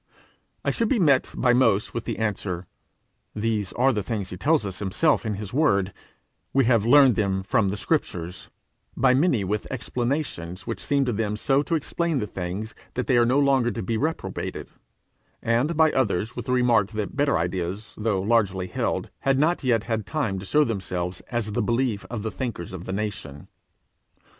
I should be met by most with the answer, 'Those are the things he tells us himself in his word; we have learned them from the Scriptures;' by many with explanations which seem to them so to explain the things that they are no longer to be reprobated; and by others with the remark that better ideas, though largely held, had not yet had time to show themselves as the belief of the thinkers of the nation.